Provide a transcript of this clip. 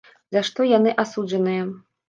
За што яны асуджаныя?